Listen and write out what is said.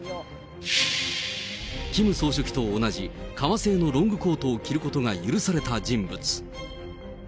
キム総書記と同じ、革製のロングコートを着ることが許された人物。